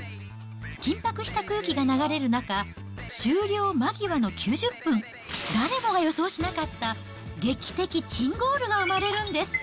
緊迫した空気が流れる中、終了間際の９０分、誰もがよそうなかった劇的珍ゴールが生まれるんです。